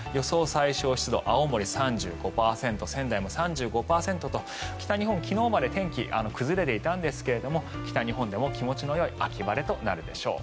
最小湿度青森、３５％仙台も３５％と北日本、昨日まで天気が崩れていたんですが北日本でも気持ちのよい秋晴れとなるでしょう。